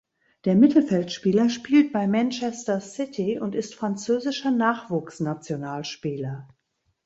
Der Mittelfeldspieler spielt bei Manchester City und ist französischer Nachwuchsnationalspieler.